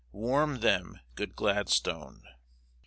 Warm them, good Gladstone.